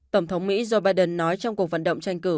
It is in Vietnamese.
tổng thống mỹ joe biden nói trong cuộc vận động tranh cử